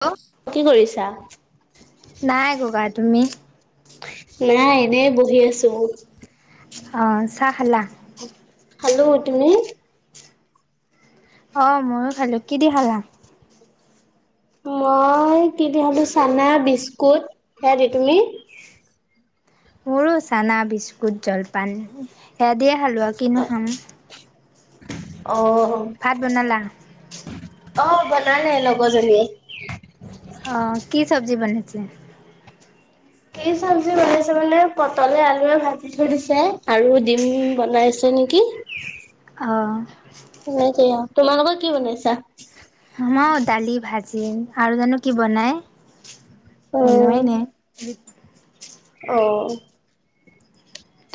Hello কি কৰিছা? নাই গগা তুমি? নাই এনে বহি আছো। অ চাহ খালা। হেল্ল', তুমি? অ ময়ো খালো কি দি খালা মই কি দি হলো চানা বিস্কুট সেয়া দি তুমি। মোৰো চানা বিস্কুট জলপান এ দিয়ে হালোৱা কিনো খাম। অ ভাত বনালা? অ বনালে লগৰজনীয়ে। অ কি চ্বজি বনাইছে কি চব্জি বনাইছ মানে পটলে আলুে ভাজি থৈ দিছে আৰু ডম বনাইছো। নেকি? অ ছেয়া তোমালোক কি বনাইছা। মই দালি ভাজিম আৰু জানো কি বনাই। বনুৱাই নাই অ।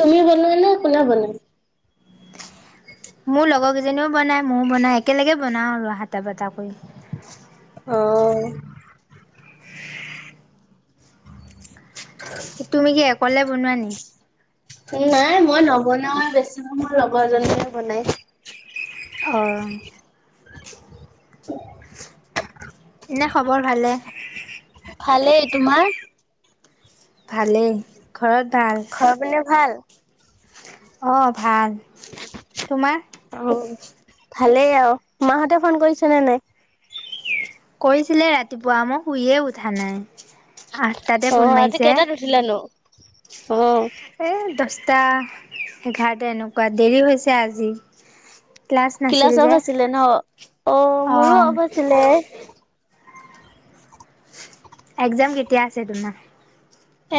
তুমি বনোৱা নে কোনে বনাই মোৰ লগৰ কেইজনীও বনায় ময়ো বনাও একেলগে বনাওঁ আৰু হাটা বাটা কৰি অ [inaudible] ক'লে বনোৱা নি? নাই মই নবনাওয়ে বেছি মোৰ লগৰজনিয়ে বনায় অ এনে খবৰ ভালে ভালেই তোমাৰ। ভালেই ঘৰত ভাল ঘৰৰ পিনে ভাল অ ভাল তোমাৰ? অ ভালেই আৰু মাহঁতে ফোন কৰিছে'নে নাই? কৈছিলে ৰাতিপুৱা মই শুইয়ে উঠা নাই আঠটাতে অ', ফোন আজি মাৰিছে। কেইটাত উঠিলানো? এ দচ সাতটা এঘাৰটা এনেকুৱা দেৰি হৈছে আজি। ক্লাছ নাছিল অফ যে আছিলে ন? অ', মোৰো অফ অঁ। আছিলে। এক্জাম কেতিয়া আছে তোমাৰ?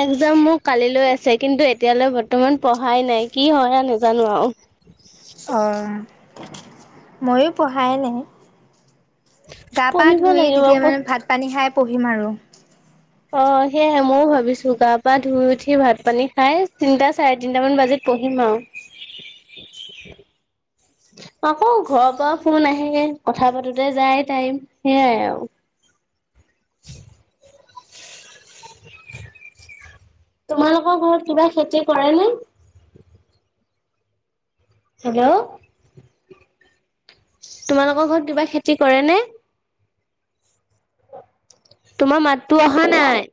একজাম মোৰ কালিলৈ আছে কিন্তু এতিয়ালৈ বৰ্তমান পঢ়াই নাই কি হয় আৰু নাজানো আৰু অ', ময়ো পঢ়াই নাই। গা -পা পঢ়িব ধুই লাগিব তেতিয়া পঢ় মানে ভাত -পানী খাই পঢ়িম আৰু। অ সেইয়া মইয়ো ভাবিছোঁ। গা পা ধুই উঠি ভাত পানী খাই তিনতা চাৰে তিনটা মান বাজিল পহিমআও। [inaudible] আকৌ ঘৰৰ পৰা ফোন আহে কথা পাতোতে যায় টাইম সেইয়াই আৰু। [inaudible] তোমালোকৰ ঘৰত কিবা খেতি কৰে নে? হেল্ল' তোমালোকৰ ঘৰত কিবা খেতি কৰে নে? তোমাৰ মাততো অহা নাই।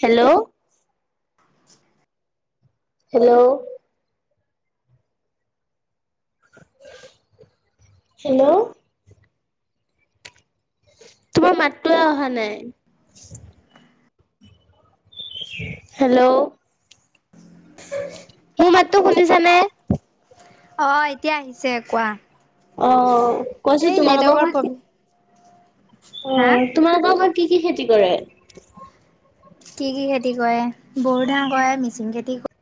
হেল্ল'। হেল্ল'। হেল্ল', তোমাৰ মাততোৱে অহা নাই। হেল্ল', [inaudible] মোৰ মাততো শুনিছা নে? অহ, এতিয়া আহিছে কোৱা? অহ, কৈছোঁ এই তোমালকৰ নেটৱৰ্কৰ প্ৰব্লেম হা অহ, তোমালোকৰ ঘৰত কি কি খেতি কৰে? কি কি খেতি কৰে বৰো ধান কৰে, মিচিং খেতি কৰে।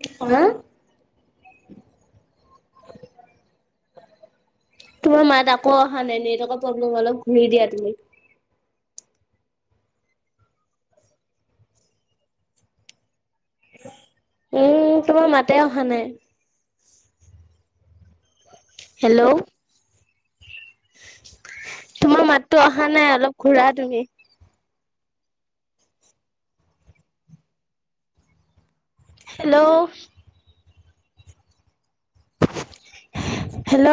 কি ক'লা? [inaudible] তোমাৰ মাত আকৌ অহা নাই নেটৱৰ্কৰ প্ৰব্লেম হয় অলপ ঘূৰি দিয়া তুমি। উম, তোমাৰ মাতে অহা নাই। হেল্ল', তোমাৰ মাততো অহা নাই অলপ ঘূৰা তুমি। Hello, hello,